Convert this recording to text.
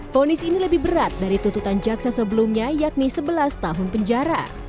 fonis ini lebih berat dari tuntutan jaksa sebelumnya yakni sebelas tahun penjara